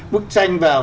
bức tranh vào